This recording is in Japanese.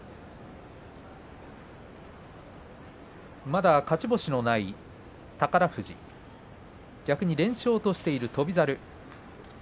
まだ勝ち星のない宝富士逆に連勝としている翔猿。